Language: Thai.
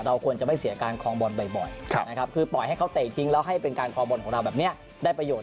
ควรจะไม่เสียการคลองบอลบ่อยนะครับคือปล่อยให้เขาเตะทิ้งแล้วให้เป็นการคลองบอลของเราแบบนี้ได้ประโยชน